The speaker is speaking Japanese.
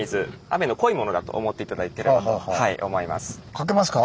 かけますか？